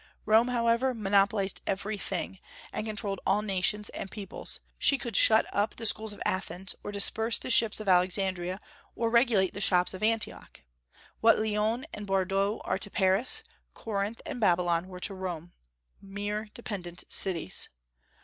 Rome, however, monopolized every thing, and controlled all nations and peoples; she could shut up the schools of Athens, or disperse the ships of Alexandria, or regulate the shops of Antioch. What Lyons and Bordeaux are to Paris, Corinth and Babylon were to Rome, mere dependent cities.